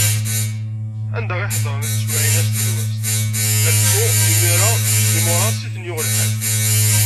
Anda i ḥeḍren i teswiɛin-a s tedwast, acku imir-a deg yimuras i ten-yuɣ lḥal.